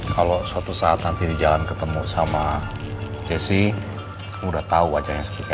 kalau suatu saat nanti di jalan ketemu sama jessie kamu udah tahu wajahnya seperti apa